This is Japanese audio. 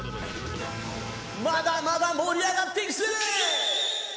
まだまだ、盛り上がっていくぜ！